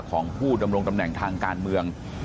ของผู้ดำรงตำแหน่งทางการเมือง